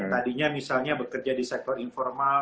tadinya misalnya bekerja di sektor informal